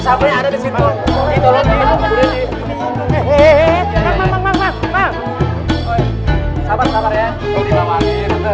sama teh botolnya satu sama teh botol